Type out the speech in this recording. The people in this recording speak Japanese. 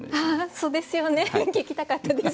そうですよね聞きたかったです